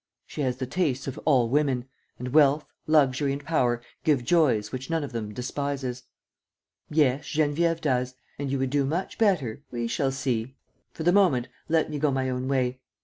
"She has the tastes of all women; and wealth, luxury and power give joys which not one of them despises." "Yes, Geneviève does. And you would do much better ..." "We shall see. For the moment, let me go my own way.